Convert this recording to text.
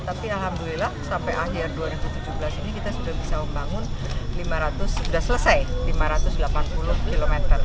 tapi alhamdulillah sampai akhir dua ribu tujuh belas ini kita sudah bisa membangun lima ratus sudah selesai lima ratus delapan puluh km